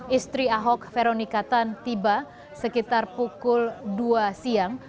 istri ahok veronika tan tiba sekitar pukul dua siang